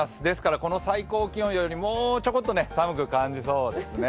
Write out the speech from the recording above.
この最高気温よりもうちょこっと寒く感じそうですね。